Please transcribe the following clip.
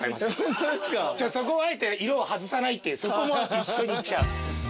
そこをあえて色を外さないっていうそこも一緒にいっちゃう。